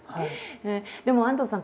でも安藤さん